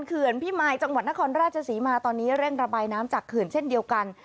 เขื่อนพิมายจังหวัดนครราชศรีมาตอนนี้เร่งระบายน้ำจากเขื่อนเช่นเดียวกัน